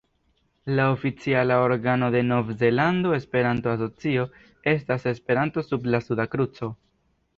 La oficiala organo de la Nov-Zelanda Esperanto-Asocio estas "Esperanto sub la Suda Kruco".